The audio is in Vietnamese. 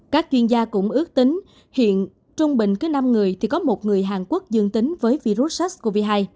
các chuyên gia cũng ước tính hiện trung bình cứ năm người thì có một người hàn quốc dương tính với virus sars cov hai